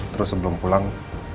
terus sebelum pulang